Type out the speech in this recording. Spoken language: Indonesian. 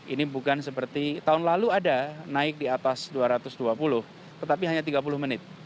ini bukan seperti tahun lalu ada naik di atas dua ratus dua puluh tetapi hanya tiga puluh menit